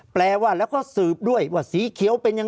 ภารกิจสรรค์ภารกิจสรรค์